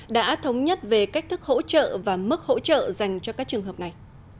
đã thống nhất về cách thức hỗ trợ và mức hỗ trợ dành cho các trường hợp này